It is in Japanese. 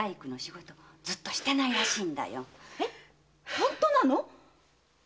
本当なの？